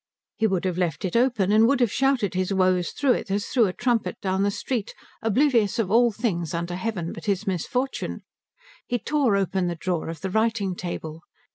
He would have left it open and would have shouted his woes through it as through a trumpet down the street, oblivious of all things under heaven but his misfortune. He tore open the drawer of the writing table.